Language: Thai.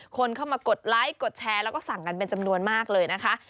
คนเข้ามากดไลค์กดแชร์แล้วก็สั่งกันเป็นจำนวนมากเลยนะคะ